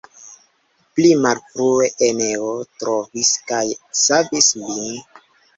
Pli malfrue Eneo trovis kaj savis lin.